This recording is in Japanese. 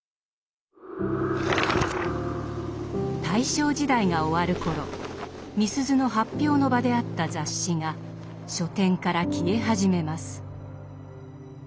大正時代が終わる頃みすゞの発表の場であった雑誌が書店から消え始めます。